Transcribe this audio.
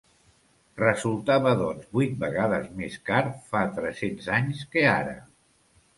Resultava doncs vuit vegades més car fa tres-cents anys que ara.